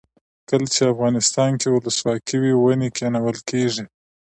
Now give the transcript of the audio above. کله چې افغانستان کې ولسواکي وي ونې کینول کیږي.